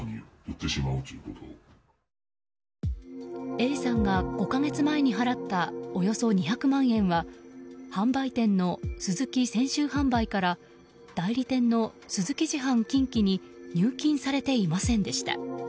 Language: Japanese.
Ａさんが、５か月前に払ったおよそ２００万円は販売店のスズキ泉州販売から代理店のスズキ自販近畿に入金されていませんでした。